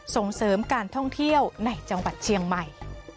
ส่งเสริมการท่องเที่ยวในจังหวัดเชียงใหม่